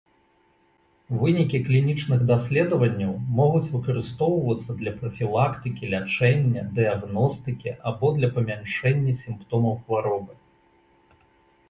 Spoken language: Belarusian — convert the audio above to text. Вынікі клінічных даследаванняў могуць выкарыстоўвацца для прафілактыкі, лячэння, дыягностыкі або для памяншэння сімптомаў хваробы.